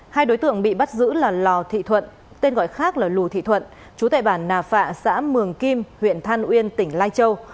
hai đối tượng bị bắt giữ là lò thị thuận tên gọi khác là lù thị thuận chú tại bản nà phạ xã mường kim huyện than uyên tỉnh lai châu